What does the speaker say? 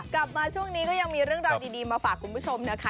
กลับมาช่วงนี้ก็ยังมีเรื่องราวดีมาฝากคุณผู้ชมนะคะ